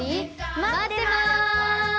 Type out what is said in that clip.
まってます！